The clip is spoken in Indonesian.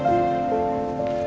terima kasih nino